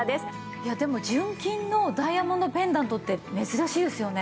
いやでも純金のダイヤモンドペンダントって珍しいですよね？